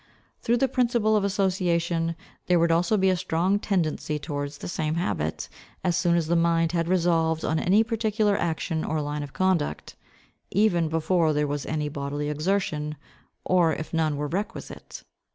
Through the principle of association there would also be a strong tendency towards this same habit, as soon as the mind had resolved on any particular action or line of conduct, even before there was any bodily exertion, or if none were requisite.